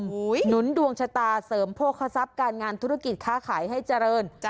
หนุนดวงชะตาเสริมโภคทรัพย์การงานธุรกิจค้าขายให้เจริญ